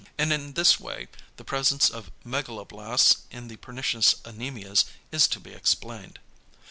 And in this way the presence of megaloblasts in the pernicious anæmias is to be explained.